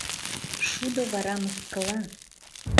Шудо вара мыскыла.